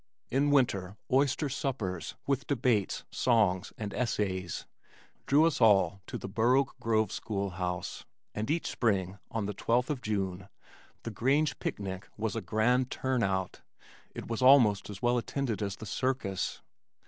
In winter "oyster suppers," with debates, songs and essays, drew us all to the Burr Oak Grove school house, and each spring, on the twelfth of June, the Grange Picnic was a grand "turn out." It was almost as well attended as the circus.